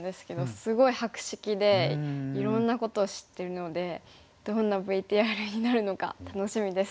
すごい博識でいろんなことを知ってるのでどんなＶＴＲになるのか楽しみです。